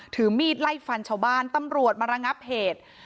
ถือมีดไล่ฟันชาวบ้านตำรวจมาระงับเหตุ